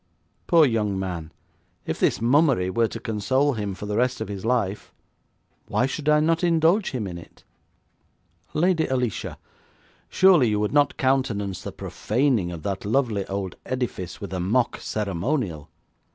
Poor young man, if this mummery were to console him for the rest of his life, why should I not indulge him in it?' 'Lady Alicia, surely you would not countenance the profaning of that lovely old edifice with a mock ceremonial?